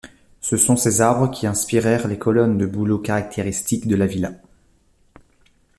Ce sont ces arbres qui inspirèrent les colonnes de bouleau caractéristiques de la villa.